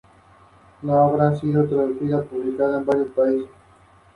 Además de poseer una magnífica voz, tenía dotes de cantante y bailarín.